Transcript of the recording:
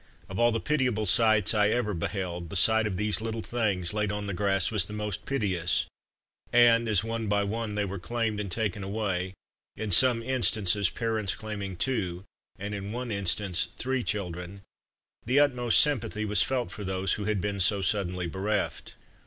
Of all the pitiable sights I ever beheld, the sight of these little things laid on the grass was the most piteous; and, as, one by one they were claimed and taken away in some instances parents claiming two, and in one instance, three children the utmost sympathy was felt for those who had been so suddenly bereft.